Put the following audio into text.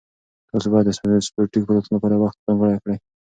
تاسو باید د سپورټي فعالیتونو لپاره وخت ځانګړی کړئ.